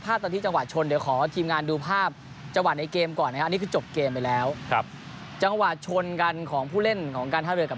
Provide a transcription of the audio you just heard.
ในเกมก่อนนะครับอันนี้คือจบเกมไปแล้วครับจังหวะชนกันของผู้เล่นของการท่าเรือกับ